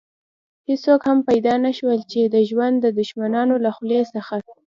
هېڅوک هم پيدا نه شول چې د ژوند د دښمنانو له خولې څخه.